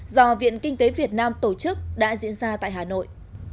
do viện kinh tế việt nam tổ chức đã diễn ra tại hà nội